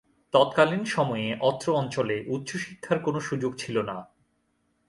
তৎকালিন সময়ে অত্র অঞ্চলে উচ্চশিক্ষার কোন সুযোগ ছিল না।